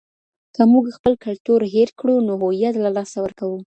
که موږ خپل کلتور هېر کړو نو هویت له لاسه ورکوو.